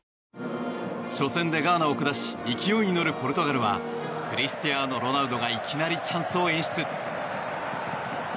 初戦でガーナを下し勢いに乗るポルトガルはクリスティアーノ・ロナウドがいきなりチャンスを演出。